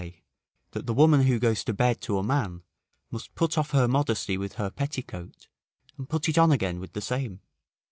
] say, "That the woman who goes to bed to a man, must put off her modesty with her petticoat, and put it on again with the same."